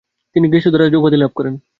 তিনি "গেসু দারাজ" উপাধি লাভ করেন।